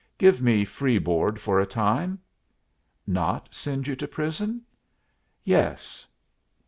"Give me free board for a time." "Not send you to prison?" "Yes."